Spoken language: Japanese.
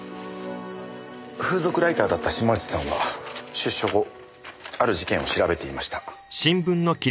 風俗ライターだった島内さんは出所後ある事件を調べていました。